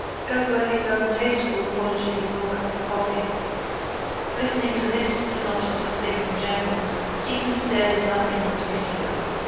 Over his untastable apology for a cup of coffee, listening to this synopsis of things in general, Stephen stared at nothing in particular.